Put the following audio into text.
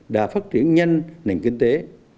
đã phát triển nhanh nền kinh tế